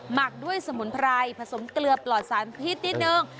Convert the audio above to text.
หมักด้วยสมุนไพรผสมเกลือปลอดสารพิษนิดนึง